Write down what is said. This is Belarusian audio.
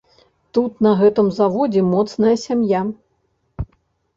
Тут на гэтым заводзе моцная сям'я.